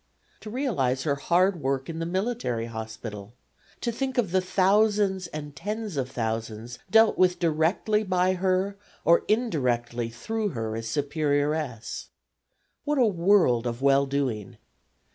To realize her hard work in the military hospital, to think of the thousands and tens of thousands dealt with directly by her or indirectly through her as superioress. What a world of well doing!